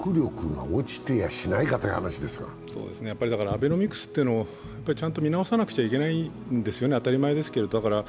アベノミクスというのをちゃんと見直さなくちゃいけないんですね、当たり前ですけど。